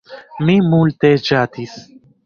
Mi multe ŝatis.